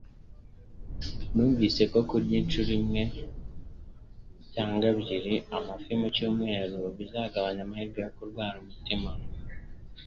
Numvise ko kurya inshuro imwe cyangwa ebyiri z'amafi mu cyumweru bizagabanya amahirwe yo kurwara umutima